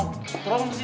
kamu berantem lagi